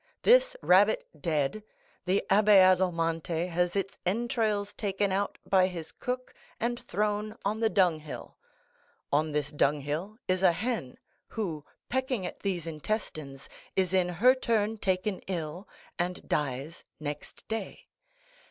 This rabbit dead, the Abbé Adelmonte has its entrails taken out by his cook and thrown on the dunghill; on this dunghill is a hen, who, pecking these intestines, is in her turn taken ill, and dies next day.